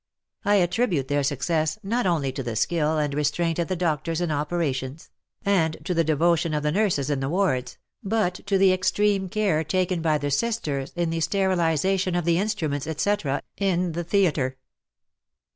I attribute their success not only to the skill and restraint of the doctors in operations, and to the devotion of the nurses in the wards, but to the extreme care taken by the Sisters in the sterilization of the in struments, etc., in the theatre.